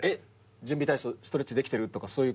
「準備体操ストレッチできてる？」とかそういうない？